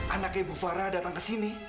anak ibu fara datang ke sini